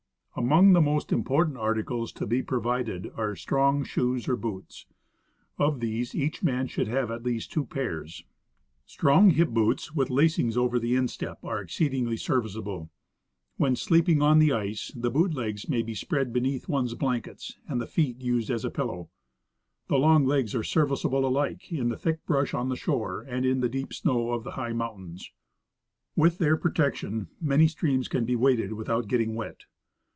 Among the most important articles to be provided are strong shoes or boots ; of these each man should have at least two pairs.' Strong hip boots, with lacings over the instep, are exceedingly serviceable. When sleeping on the ice the boot legs may be spread beneath one's blankets and the feet used as a j)illow. The long legs are serviceable alike in the thick brush on the shore and in the deep snow on the high mountains. With their jDro tection, many streams can be waded without getting wet.